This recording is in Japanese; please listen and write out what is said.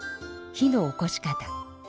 火のおこし方。